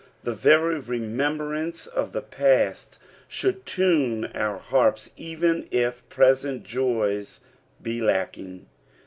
The very remcmbraDCe of the post should tune our harps, even if present Joys be lacking.